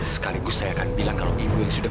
sekaligus saya akan bilang kalau ibu yang sudah